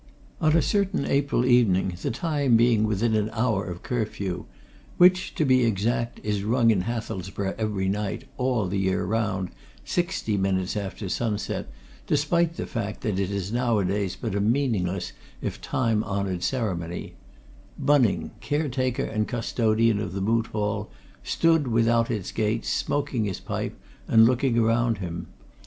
On a certain April evening, the time being within an hour of curfew which, to be exact, is rung in Hathelsborough every night, all the year round, sixty minutes after sunset, despite the fact that it is nowadays but a meaningless if time honoured ceremony Bunning, caretaker and custodian of the Moot Hall, stood without its gates, smoking his pipe and looking around him.